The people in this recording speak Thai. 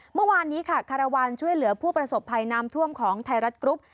เมื่อวานนี้ค่ะคารวาลช่วยเหลือผู้ประสบภัยน้ำท่วมของไทยรัฐกรุ๊ป